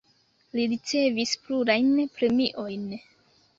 Li ricevis plurajn premiojn.